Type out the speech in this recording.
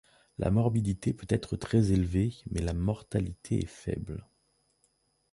La morbidité peut être très élevée, mais la mortalité est faible.